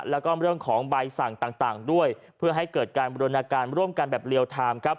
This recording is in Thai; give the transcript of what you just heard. แล้วก็เรื่องของใบสั่งต่างด้วยเพื่อให้เกิดการบริณาการร่วมกันแบบเรียลไทม์ครับ